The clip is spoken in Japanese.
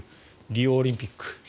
リオオリンピック。